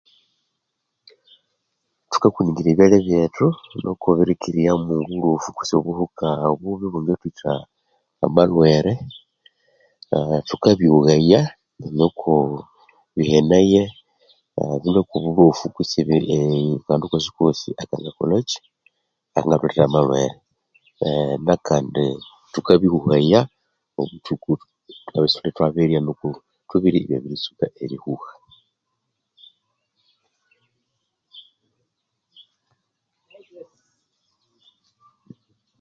Thukakuningira ebyalya byethu nuku ebirikiya omwi bulofu kwitsi obuhuka obubi obwangathwitha amalhwere ah thukabyowaya nuku bihenaye ah bilhwe kwo bulofu kwitsi biye ah akandu kosi kosi akangakolhakyi akangathulethera amalhwere eh nakandi thukabihuhaya obuthuku thukabya sithuli thwabirya nuku thubirye ibyabiritsuka erihuha